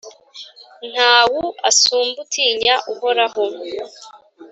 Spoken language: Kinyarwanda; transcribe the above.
ntawu asumba utinya Uhoraho.